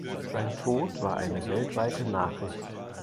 Sein Tod war eine weltweite Nachricht.